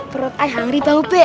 perut saya hangri bau be